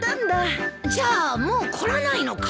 じゃあもう凝らないのか？